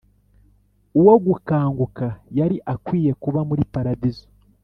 uwo gukanguka yari akwiye kuba muri paradizo,